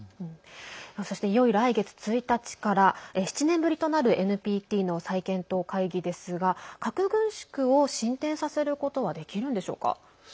そして、いよいよ来月１日から７年ぶりとなるＮＰＴの再検討会議ですが核軍縮を進展させることはできるんでしょうか。